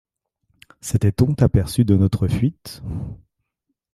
S’était-on aperçu de notre fuite ?